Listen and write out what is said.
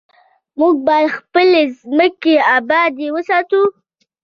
موږ باید خپلې ځمکې ابادې وساتو.